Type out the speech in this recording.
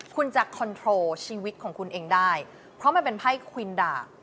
คุณจะคอนโทรลชีวิตของคุณเองได้เพราะมันเป็นไพ่ควินดา